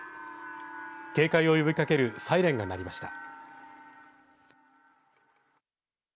警戒を呼びかけるサイレンが鳴りました。